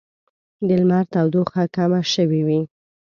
د لمر تودوخه کمه شوې وي